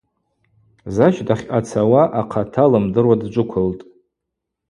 Зач дахьъацауа ахъата лымдыруа дджвыквылтӏ.